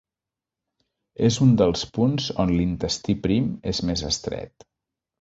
És un dels punts on l'intestí prim és més estret.